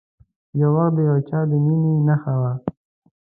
یو وخت د یو چا د میینې نښه وم